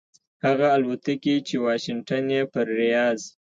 هغه الوتکې چې واشنګټن یې پر ریاض